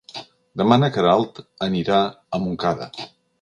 Demà na Queralt anirà a Montcada.